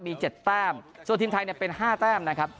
มี๗แต้มส่วนทีมไทยเนี่ยเป็น๕แต้มนะครับ